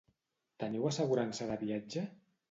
Teniu assegurança de viatge?